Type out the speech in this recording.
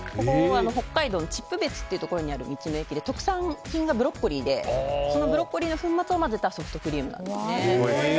北海道の秩父別というところにある道の駅で特産品がブロッコリーでその粉末を混ぜたソフトクリームなんですね。